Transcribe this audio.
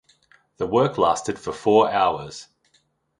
The work lasted for four hours.